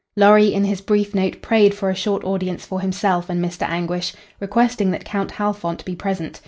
Lorry, in his brief note, prayed for a short audience for himself and Mr. Anguish, requesting that Count Halfont be present.